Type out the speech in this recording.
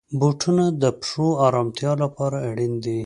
بوټونه د پښو آرامتیا لپاره اړین دي.